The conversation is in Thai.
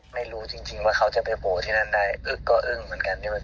ไม่รู้จริงว่าเขาจะไปโผล่ที่นั่นได้อึ๊กก็อึ้งเหมือนกัน